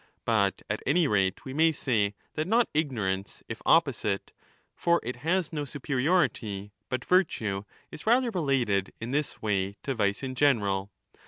But at any rate we may say that not ^^ ignorance, if opposite, (for ^'^ it has no superi 30 ority), but virtue, is rather related in this way to vice in general.